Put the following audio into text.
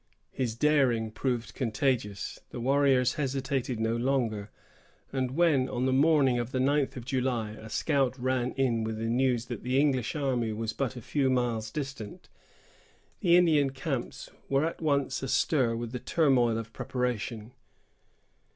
His daring proved contagious. The warriors hesitated no longer; and when, on the morning of the ninth of July, a scout ran in with the news that the English army was but a few miles distant, the Indian camps were at once astir with the turmoil of preparation.